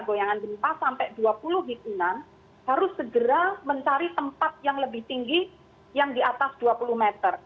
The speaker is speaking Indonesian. goyangan gempa sampai dua puluh hitungan harus segera mencari tempat yang lebih tinggi yang di atas dua puluh meter